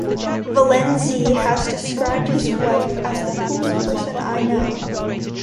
Valensi has described his wife as The coolest person I know.